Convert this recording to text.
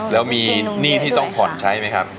แล้วมีหนี้ที่ต้องผ่อนใช้ไหมครับ